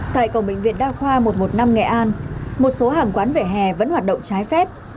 tại cổng bệnh viện đa khoa một trăm một mươi năm nghệ an một số hàng quán vẻ hè vẫn hoạt động trái phép